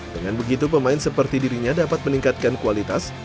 dengan begitu pemain seperti dirinya dapat meningkatkan kualitas